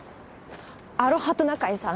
アロハトナカイさん